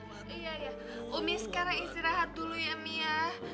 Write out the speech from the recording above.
iya ya umi sekarang istirahat dulu ya mia